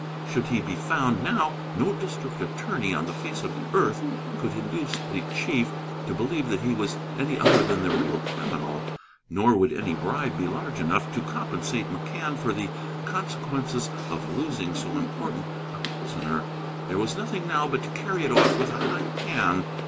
Should he be found now, no district attorney on the face of the earth could induce the chief to believe that he was any other than the real criminal; nor would any bribe be large enough to compensate McCann for the consequences of losing so important a prisoner. There was nothing now but to carry it off with a high hand.